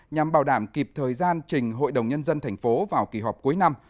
nhằm bảo đảm kịp thời gian trình hội đồng nhân dân tp hcm vào kỳ họp cuối năm